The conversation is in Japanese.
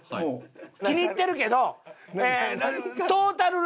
気に入ってるけど。